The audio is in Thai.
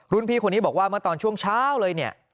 พี่คนนี้บอกว่าเมื่อตอนช่วงเช้าเลยเนี่ย